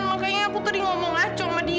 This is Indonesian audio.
makanya aku tadi ngomong aco sama dia